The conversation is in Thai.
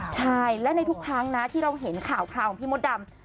ใช่และในทุกครั้งนะที่เราเห็นข่าวคราวของพี่มดดำ